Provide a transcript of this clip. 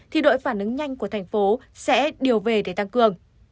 thì đội phản ứng nhanh của thành phố sẽ điều về để tăng cường